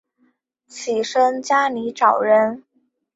起身在家里找人